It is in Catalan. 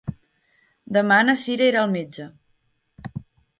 Demà na Cira irà al metge.